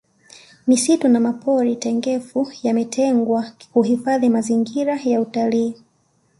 misitu na mapori tengefu yametengwa kuhifadhi mazingira ya utalii